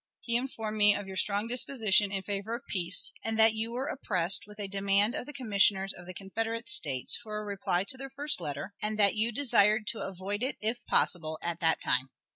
He informed me of your strong disposition in favor of peace, and that you were oppressed with a demand of the commissioners of the Confederate States for a reply to their first letter, and that you desired to avoid it, if possible, at that time.